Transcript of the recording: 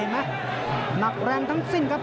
เห็นไหมหนักแรงทั้งซิ่งครับ